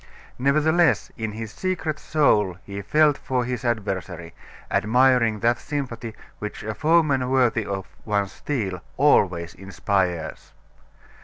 Nevertheless in his secret soul he felt for his adversary, admiring that sympathy which a "foeman worthy of one's steel" always inspires.